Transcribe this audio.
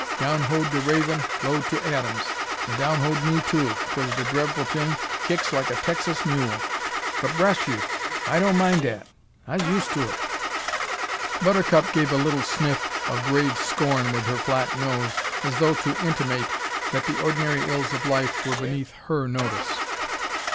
Down hoed de raven, blow'd to atims, an' down hoed me too cause de drefful t'ing kicks like a Texas mule. But bress you, I don' mind dat. I's used to it!" Buttercup gave a little sniff of grave scorn with her flat nose, as though to intimate that the ordinary ills of life were beneath her notice.